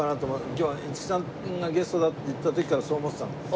今日は五木さんがゲストだって言った時からそう思ってたんだよ。